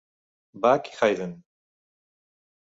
Bach i Haydn.